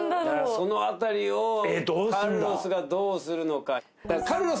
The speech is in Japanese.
そのあたりをカルロスがどうするのか。